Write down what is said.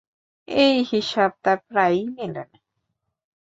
এই হিসাব তাঁর প্রায়ই মেলে না।